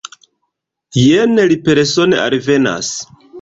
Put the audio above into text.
Jen li persone alvenas.